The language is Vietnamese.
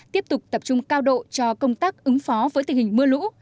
tiếp tục tập trung cao độ cho công tác ứng phó với tình hình mưa lũ